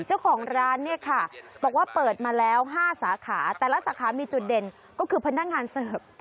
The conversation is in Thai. เจ้าของร้านเนี่ยค่ะบอกว่าเปิดมาแล้ว๕สาขาแต่ละสาขามีจุดเด่นก็คือพนักงานเสิร์ฟ